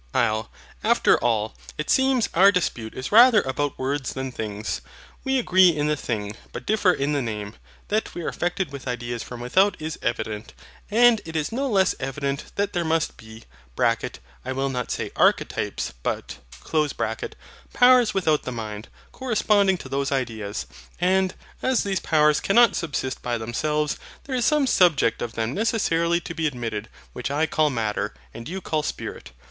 HYL. After all, it seems our dispute is rather about words than things. We agree in the thing, but differ in the name. That we are affected with ideas FROM WITHOUT is evident; and it is no less evident that there must be (I will not say archetypes, but) Powers without the mind, corresponding to those ideas. And, as these Powers cannot subsist by themselves, there is some subject of them necessarily to be admitted; which I call MATTER, and you call SPIRIT.